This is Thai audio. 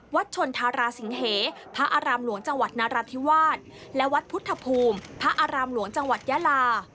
ชนธาราสิงเหพระอารามหลวงจังหวัดนราธิวาสและวัดพุทธภูมิพระอารามหลวงจังหวัดยาลา